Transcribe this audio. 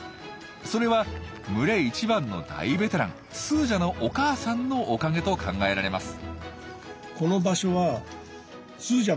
それは群れ一番の大ベテランスージャのお母さんのおかげと考えられます。